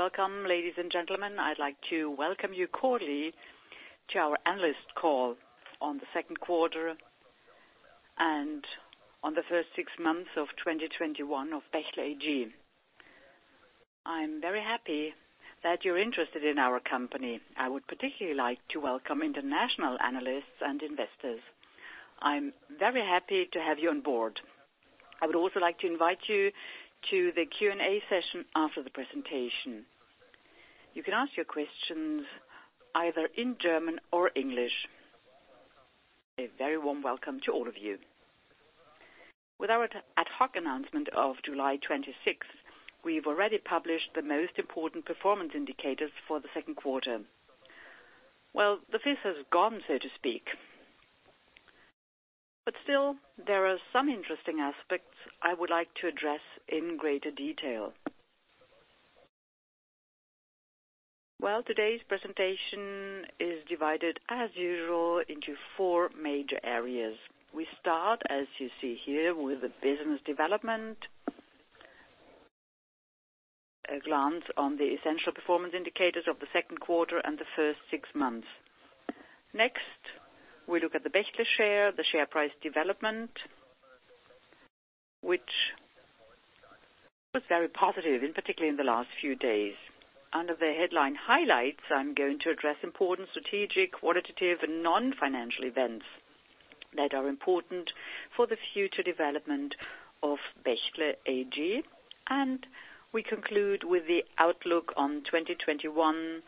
Welcome, ladies and gentlemen. I'd like to welcome you cordially to our analyst call on the Q2 and on the first six months of 2021 of Bechtle AG. I'm very happy that you're interested in our company. I would particularly like to welcome international analysts and investors. I'm very happy to have you on board. I would also like to invite you to the Q&A session after the presentation. You can ask your questions either in German or English. A very warm welcome to all of you. With our ad hoc announcement of July 26th, we've already published the most important performance indicators for the Q2. Well, the feast has gone, so to speak. Still, there are some interesting aspects I would like to address in greater detail. Well, today's presentation is divided, as usual, into four major areas. We start, as you see here, with the business development, a glance on the essential performance indicators of the Q2 and the first six months. Next, we look at the Bechtle share, the share price development, which was very positive, and particularly in the last few days. Under the headline highlights, I'm going to address important strategic, qualitative, and non-financial events that are important for the future development of Bechtle AG. We conclude with the outlook on 2021,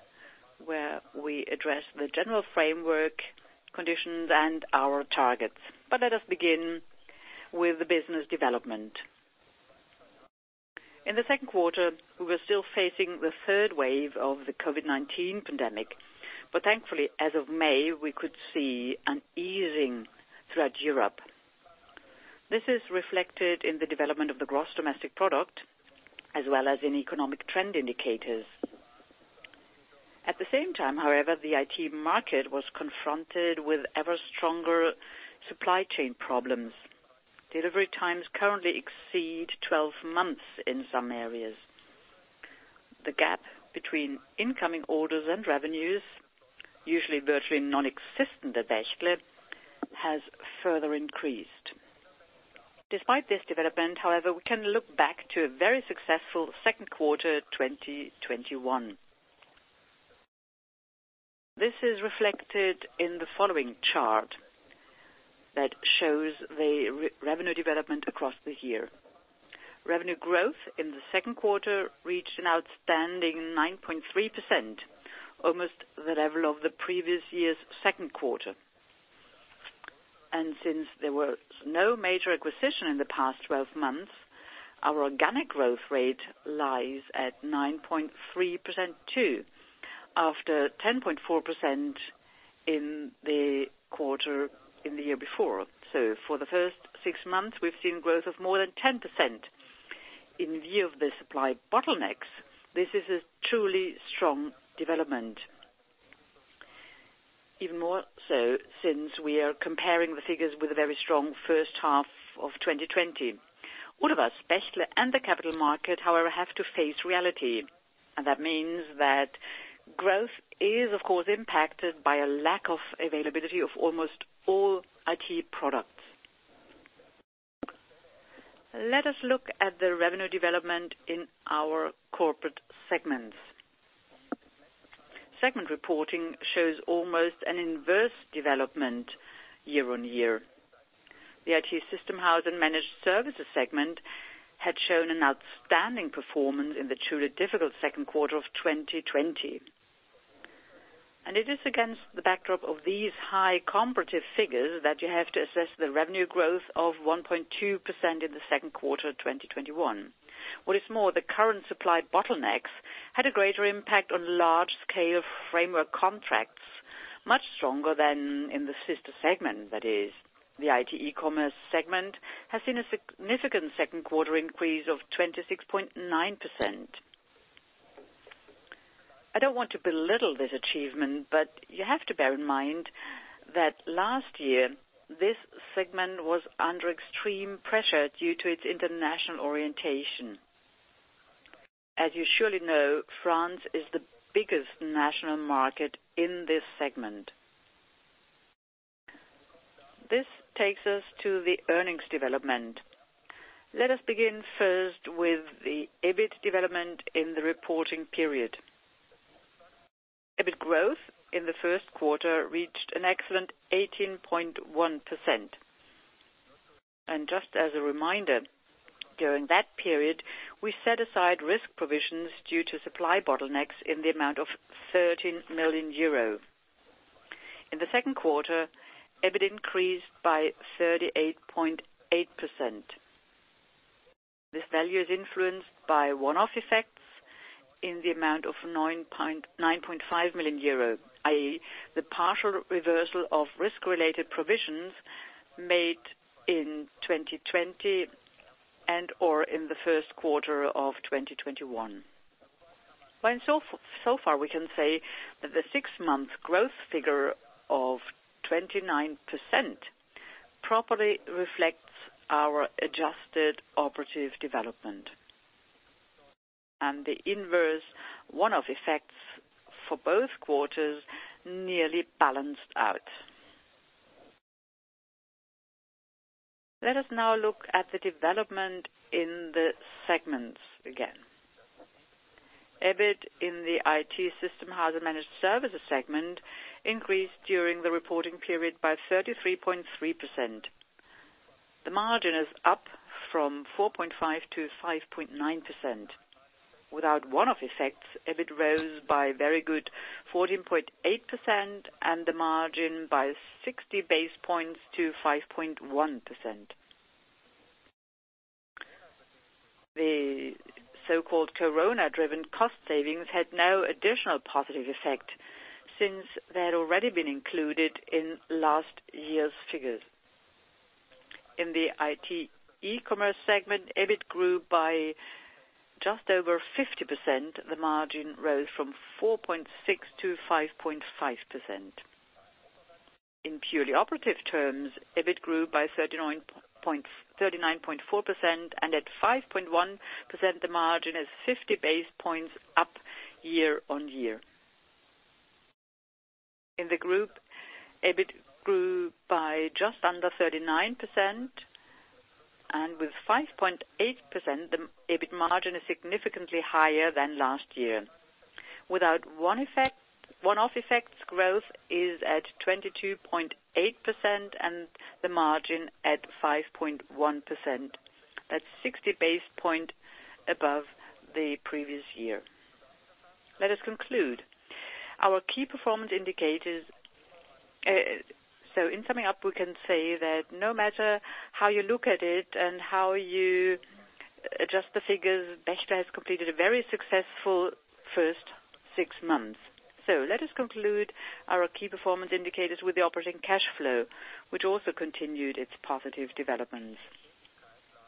where we address the general framework conditions and our targets. Let us begin with the business development. In the Q2, we were still facing the third wave of the COVID-19 pandemic. Thankfully, as of May, we could see an easing throughout Europe. This is reflected in the development of the gross domestic product, as well as in economic trend indicators. At the same time, however, the IT market was confronted with ever stronger supply chain problems. Delivery times currently exceed 12 months in some areas. The gap between incoming orders and revenues, usually virtually nonexistent at Bechtle, has further increased. Despite this development, however, we can look back to a very successful Q2 2021. This is reflected in the following chart that shows the revenue development across the year. Revenue growth in the Q2 reached an outstanding 9.3%, almost the level of the previous year's Q2. Since there was no major acquisition in the past 12 months, our organic growth rate lies at 9.3%, too, after 10.4% in the quarter in the year before. For the first six months, we've seen growth of more than 10%. In view of the supply bottlenecks, this is a truly strong development. Even more so since we are comparing the figures with a very strong H1 of 2020. All of us, Bechtle and the capital market, however, have to face reality. That means that growth is, of course, impacted by a lack of availability of almost all IT products. Let us look at the revenue development in our corporate segments. Segment reporting shows almost an inverse development year-on-year. The IT System House and Managed Services segment had shown an outstanding performance in the truly difficult Q2 of 2020. It is against the backdrop of these high comparative figures that you have to assess the revenue growth of 1.2% in the Q2 2021. What is more, the current supply bottlenecks had a greater impact on large-scale framework contracts, much stronger than in the sister segment. That is, the IT E-Commerce segment has seen a significant Q2 increase of 26.9%. I don't want to belittle this achievement, but you have to bear in mind that last year, this segment was under extreme pressure due to its international orientation. As you surely know, France is the biggest national market in this segment. This takes us to the earnings development. Let us begin first with the EBIT development in the reporting period. EBIT growth in the Q1 reached an excellent 18.1%. Just as a reminder, during that period, we set aside risk provisions due to supply bottlenecks in the amount of 13 million euro. In the Q2, EBIT increased by 38.8%. This value is influenced by one-off effects in the amount of 9.5 million euro, i.e., the partial reversal of risk related provisions made in 2020 and/or in the Q1 of 2021. Far we can say that the six-month growth figure of 29% properly reflects our adjusted operative development. The inverse one-off effects for both quarters nearly balanced out. Let us now look at the development in the segments again. EBIT in the IT System House & Managed Services segment increased during the reporting period by 33.3%. The margin is up from 4.5%-5.9%. Without one-off effects, EBIT rose by a very good 14.8% and the margin by 60 basis points to 5.1%. The so-called COVID-19 driven cost savings had no additional positive effect since they had already been included in last year's figures. In the IT E-Commerce segment, EBIT grew by just over 50%. The margin rose from 4.6%-5.5%. In purely operative terms, EBIT grew by 39.4% and at 5.1%, the margin is 50 basis points up year-on-year. In the group, EBIT grew by just under 39% and with 5.8%, the EBIT margin is significantly higher than last year. Without one-off effects, growth is at 22.8% and the margin at 5.1%. That's 60 basis points above the previous year. Let us conclude. In summing up, we can say that no matter how you look at it and how you adjust the figures, Bechtle has completed a very successful first six months. Let us conclude our key performance indicators with the operating cash flow, which also continued its positive development.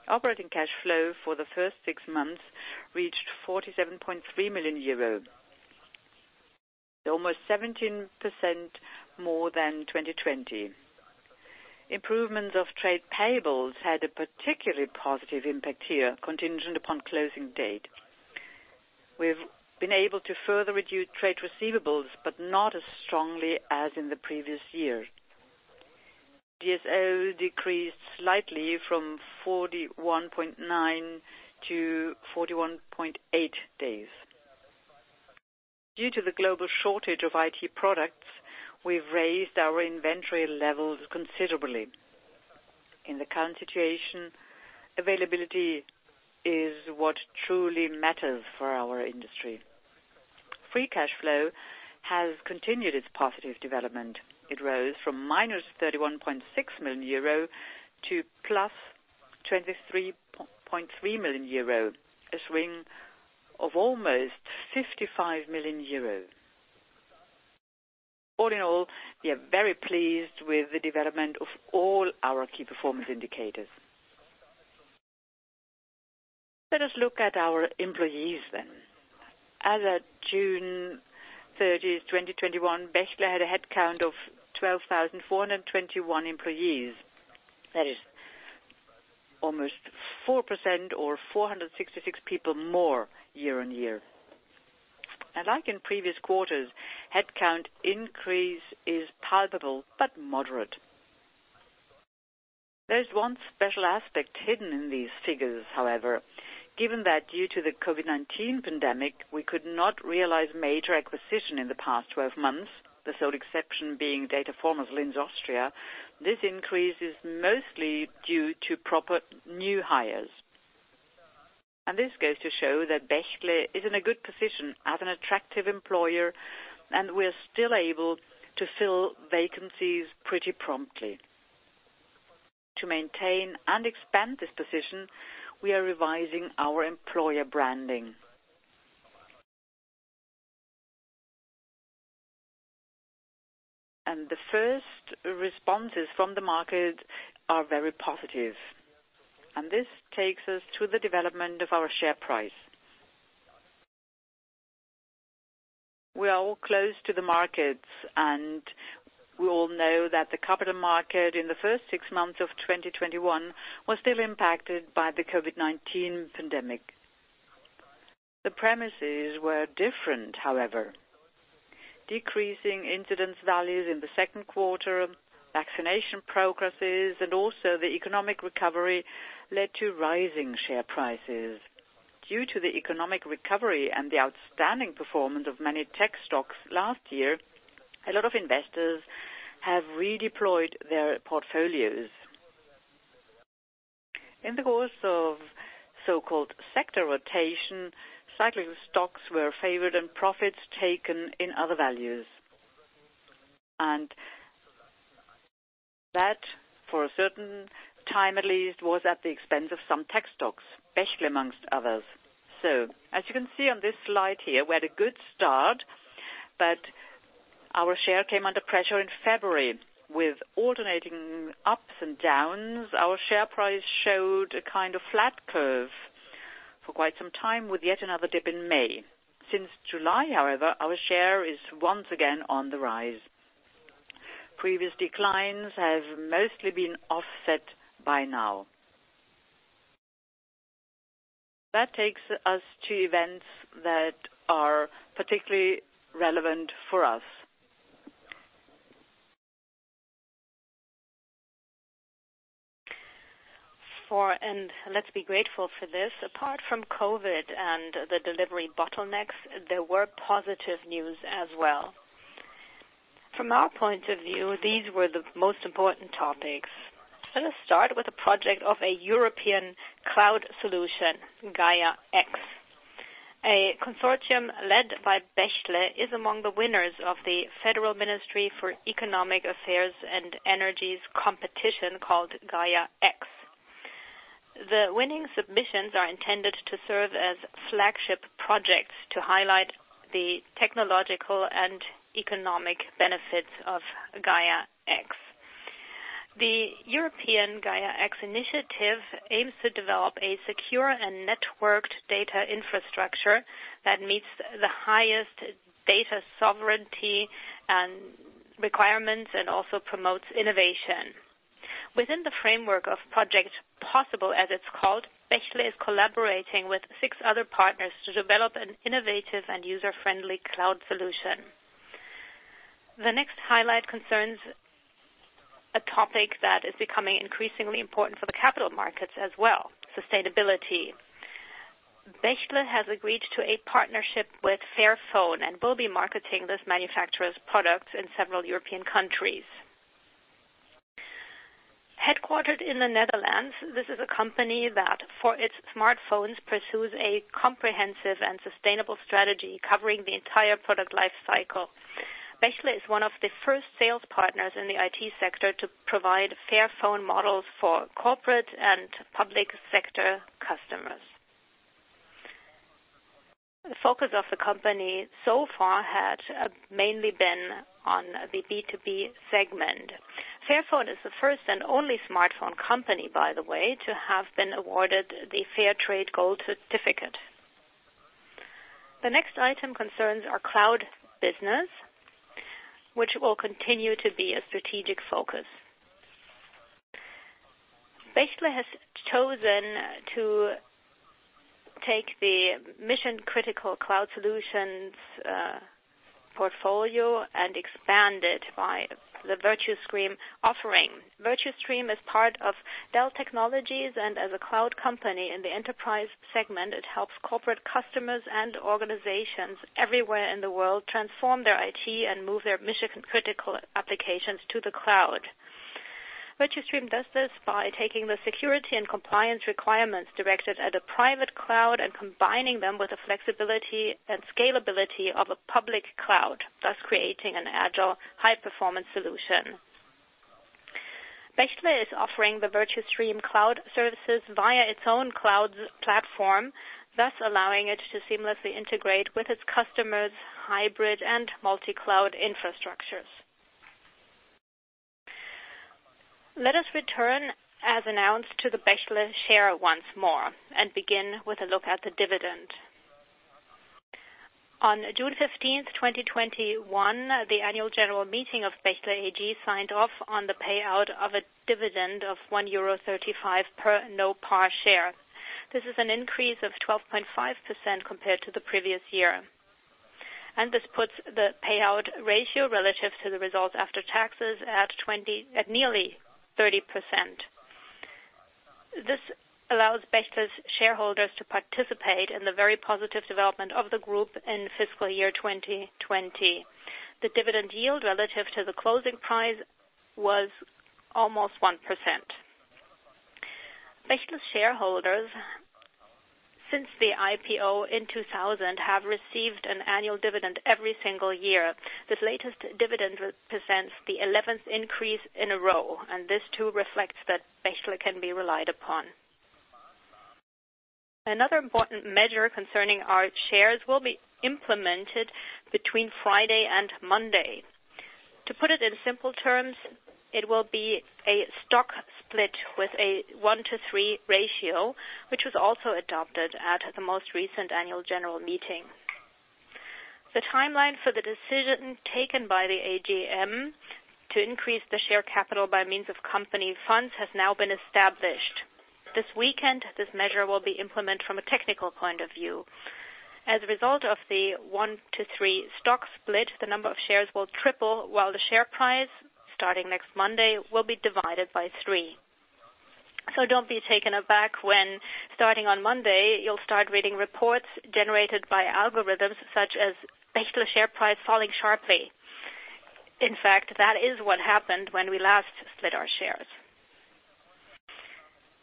Operating cash flow for the first six months reached 47.3 million euro. Almost 17% more than 2020. Improvement of trade payables had a particularly positive impact here, contingent upon closing date. We've been able to further reduce trade receivables, but not as strongly as in the previous year. DSO decreased slightly from 41.9- 41.8 days. Due to the global shortage of IT products, we've raised our inventory levels considerably. In the current situation, availability is what truly matters for our industry. Free cash flow has continued its positive development. It rose from minus 31.6 million-+23.3 million euro, a swing of almost 55 million euro. All in all, we are very pleased with the development of all our key performance indicators. Let us look at our employees then. As at June 30th, 2021, Bechtle had a headcount of 12,421 employees. That is almost 4% or 466 people more year-over-year. Like in previous quarters, headcount increase is palpable but moderate. There's one special aspect hidden in these figures, however. Given that due to the COVID-19 pandemic, we could not realize major acquisition in the past 12 months, the sole exception being dataformers Linz, Austria. This increase is mostly due to proper new hires. This goes to show that Bechtle is in a good position as an attractive employer, and we're still able to fill vacancies pretty promptly. To maintain and expand this position, we are revising our employer branding. The first responses from the market are very positive. This takes us to the development of our share price. We are all close to the markets, and we all know that the capital market in the first six months of 2021 was still impacted by the COVID-19 pandemic. The premises were different, however. Decreasing incidence values in the Q2, vaccination progresses, and also the economic recovery led to rising share prices. Due to the economic recovery and the outstanding performance of many tech stocks last year, a lot of investors have redeployed their portfolios. In the course of so-called sector rotation, cyclical stocks were favored and profits taken in other values. That, for a certain time at least, was at the expense of some tech stocks, Bechtle amongst others. As you can see on this slide here, we had a good start, but our share came under pressure in February. With alternating ups and downs, our share price showed a kind of flat curve for quite some time, with yet another dip in May. Since July, however, our share is once again on the rise. Previous declines have mostly been offset by now. That takes us to events that are particularly relevant for us. Let's be grateful for this. Apart from COVID-19 and the delivery bottlenecks, there were positive news as well. From our point of view, these were the most important topics. Let us start with a project of a European cloud solution, GAIA-X. A consortium led by Bechtle is among the winners of the Federal Ministry for Economic Affairs and Energy's competition called GAIA-X. The winning submissions are intended to serve as flagship projects to highlight the technological and economic benefits of GAIA-X. The European GAIA-X initiative aims to develop a secure and networked data infrastructure that meets the highest data sovereignty and requirements and also promotes innovation. Within the framework of Project POSSIBLE, as it's called, Bechtle is collaborating with six other partners to develop an innovative and user-friendly cloud solution. The next highlight concerns a topic that is becoming increasingly important for the capital markets as well, sustainability. Bechtle has agreed to a partnership with Fairphone and will be marketing this manufacturer's products in several European countries. Headquartered in the Netherlands, this is a company that for its smartphones, pursues a comprehensive and sustainable strategy covering the entire product life cycle. Bechtle is one of the first sales partners in the IT sector to provide Fairphone models for corporate and public sector customers. The focus of the company so far had mainly been on the B2B segment. Fairphone is the first and only smartphone company, by the way, to have been awarded the Fairtrade gold certificate. The next item concerns our cloud business, which will continue to be a strategic focus. Bechtle has chosen to take the mission-critical cloud solutions portfolio and expand it by the Virtustream offering. Virtustream is part of Dell Technologies, and as a cloud company in the enterprise segment, it helps corporate customers and organizations everywhere in the world transform their IT and move their mission-critical applications to the cloud. Virtustream does this by taking the security and compliance requirements directed at a private cloud and combining them with the flexibility and scalability of a public cloud, thus creating an agile, high-performance solution. Bechtle is offering the Virtustream cloud services via its own cloud platform, thus allowing it to seamlessly integrate with its customers' hybrid and multi-cloud infrastructures. Let us return, as announced, to the Bechtle share once more and begin with a look at the dividend. On June 15th, 2021, the annual general meeting of Bechtle AG signed off on the payout of a dividend of €1.35 per no-par share. This is an increase of 12.5% compared to the previous year. This puts the payout ratio relative to the results after taxes at nearly 30%. This allows Bechtle's shareholders to participate in the very positive development of the group in fiscal year 2020. The dividend yield relative to the closing price was almost 1%. Bechtle shareholders, since the IPO in 2000, have received an annual dividend every single year. This latest dividend represents the 11th increase in a row, and this too reflects that Bechtle can be relied upon. Another important measure concerning our shares will be implemented between Friday and Monday. To put it in simple terms, it will be a stock split with a 1:3 ratio, which was also adopted at the most recent annual general meeting. The timeline for the decision taken by the AGM to increase the share capital by means of company funds has now been established. This weekend, this measure will be implemented from a technical point of view. As a result of the one to three stock split, the number of shares will triple while the share price, starting next Monday, will be divided by three. Don't be taken aback when starting on Monday, you'll start reading reports generated by algorithms such as Bechtle share price falling sharply. In fact, that is what happened when we last split our shares.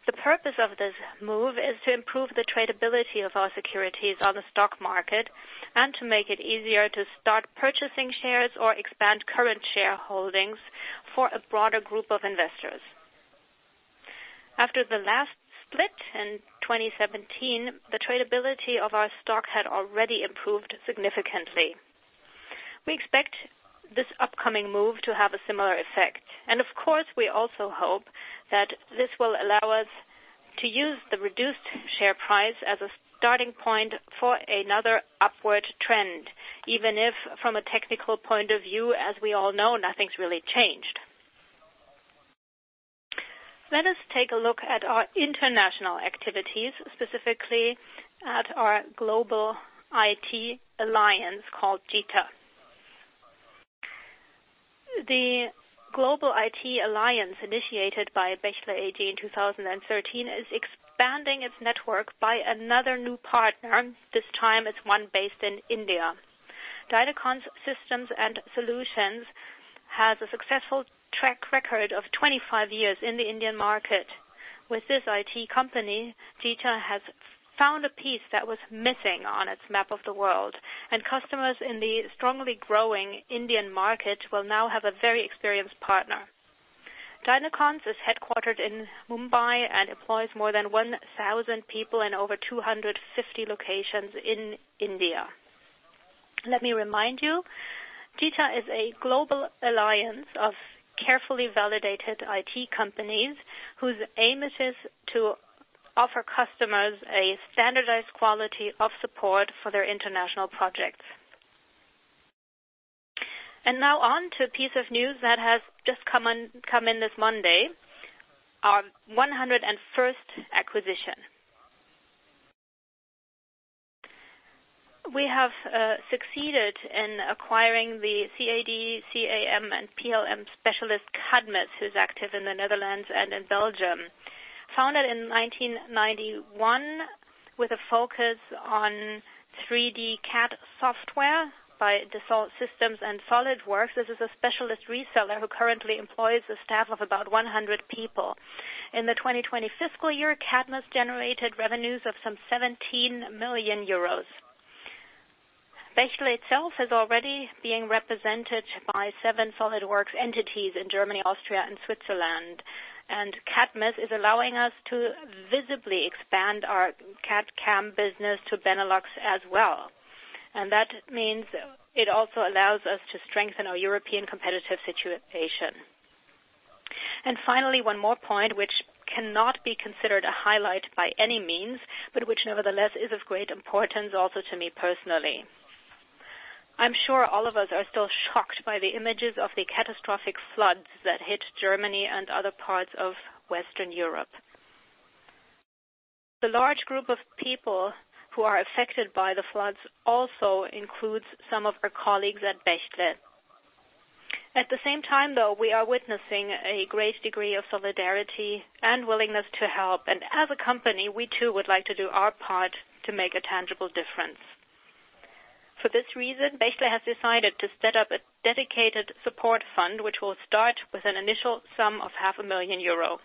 The purpose of this move is to improve the tradability of our securities on the stock market and to make it easier to start purchasing shares or expand current shareholdings for a broader group of investors. After the last split in 2017, the tradability of our stock had already improved significantly. We expect this upcoming move to have a similar effect. Of course, we also hope that this will allow us to use the reduced share price as a starting point for another upward trend, even if from a technical point of view, as we all know, nothing's really changed. Let us take a look at our international activities, specifically at our Global IT Alliance called GITA. The Global IT Alliance, initiated by Bechtle AG in 2013, is expanding its network by another new partner, this time it's one based in India. Dynacons Systems & Solutions has a successful track record of 25 years in the Indian market. With this IT company, GITA has found a piece that was missing on its map of the world, and customers in the strongly growing Indian market will now have a very experienced partner. Dynacons is headquartered in Mumbai and employs more than 1,000 people in over 250 locations in India. Let me remind you, GITA is a global alliance of carefully validated IT companies, whose aim it is to offer customers a standardized quality of support for their international projects. Now on to a piece of news that has just come in this Monday, our 101st acquisition. We have succeeded in acquiring the CAD, CAM and PLM specialist, Cadmes, who's active in the Netherlands and in Belgium. Founded in 1991 with a focus on 3D CAD software by Dassault Systèmes and SOLIDWORKS, this is a specialist reseller who currently employs a staff of about 100 people. In the 2020 fiscal year, Cadmes generated revenues of some 17 million euros. Bechtle itself is already being represented by seven SOLIDWORKS entities in Germany, Austria, and Switzerland, and Cadmes is allowing us to visibly expand our CAD CAM business to Benelux as well. That means it also allows us to strengthen our European competitive situation. Finally, one more point, which cannot be considered a highlight by any means, but which nevertheless is of great importance also to me personally. I'm sure all of us are still shocked by the images of the catastrophic floods that hit Germany and other parts of Western Europe. The large group of people who are affected by the floods also includes some of our colleagues at Bechtle. At the same time, though, we are witnessing a great degree of solidarity and willingness to help, and as a company, we too would like to do our part to make a tangible difference. For this reason, Bechtle has decided to set up a dedicated support fund, which will start with an initial sum of 500,000 euro.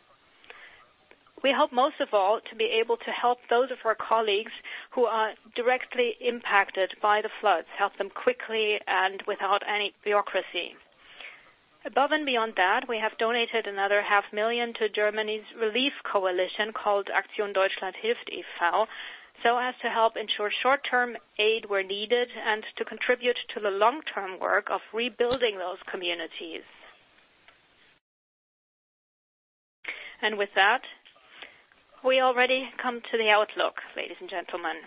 We hope most of all to be able to help those of our colleagues who are directly impacted by the floods, help them quickly and without any bureaucracy. Above and beyond that, we have donated another EUR half million to Germany's Relief Coalition called Aktion Deutschland Hilft e.V., so as to help ensure short-term aid where needed and to contribute to the long-term work of rebuilding those communities. With that, we already come to the outlook, ladies and gentlemen.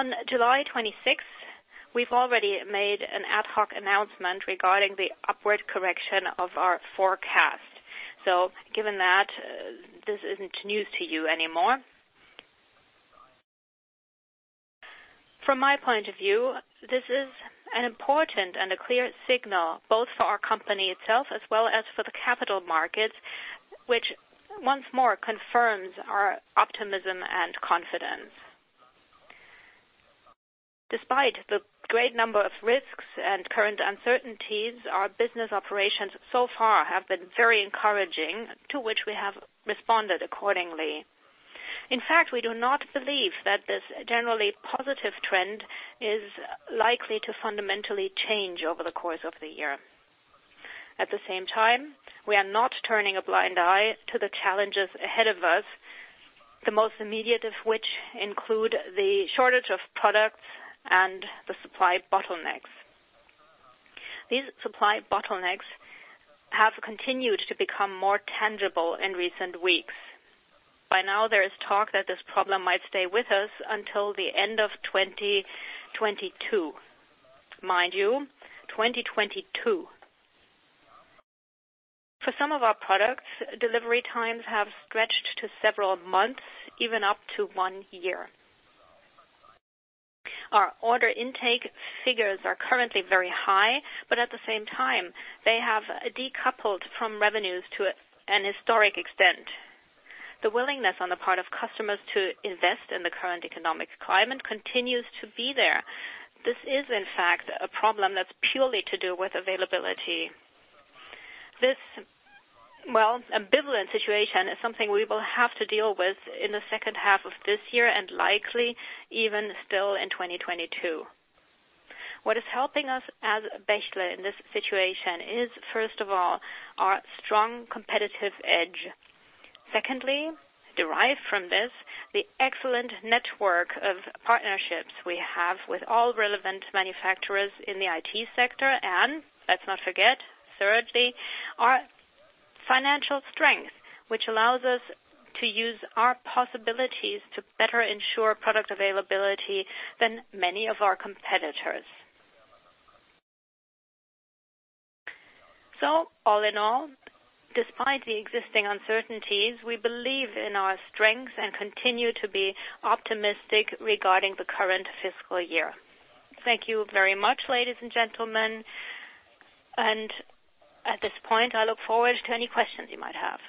On July 26th, we've already made an ad hoc announcement regarding the upward correction of our forecast. Given that, this isn't news to you anymore. From my point of view, this is an important and a clear signal, both for our company itself as well as for the capital markets, which once more confirms our optimism and confidence. Despite the great number of risks and current uncertainties, our business operations so far have been very encouraging, to which we have responded accordingly. In fact, we do not believe that this generally positive trend is likely to fundamentally change over the course of the year. At the same time, we are not turning a blind eye to the challenges ahead of us, the most immediate of which include the shortage of products and the supply bottlenecks. These supply bottlenecks have continued to become more tangible in recent weeks. By now, there is talk that this problem might stay with us until the end of 2022. Mind you, 2022. For some of our products, delivery times have stretched to several months, even up to one year. Our order intake figures are currently very high, but at the same time, they have decoupled from revenues to an historic extent. The willingness on the part of customers to invest in the current economic climate continues to be there. This is, in fact, a problem that's purely to do with availability. This, well, ambivalent situation is something we will have to deal with in the H2 of this year and likely even still in 2022. What is helping us as Bechtle in this situation is, first of all, our strong competitive edge. Secondly, derived from this, the excellent network of partnerships we have with all relevant manufacturers in the IT sector, and let's not forget, thirdly, our financial strength, which allows us to use our possibilities to better ensure product availability than many of our competitors. All in all, despite the existing uncertainties, we believe in our strength and continue to be optimistic regarding the current fiscal year. Thank you very much, ladies and gentlemen. At this point, I look forward to any questions you might have.